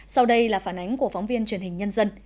sau đây là phản ánh của phóng viên truyền hình nhân dân